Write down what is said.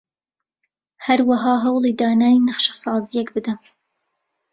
هەروەها هەوڵی دانانی نەخشەسازییەک بدە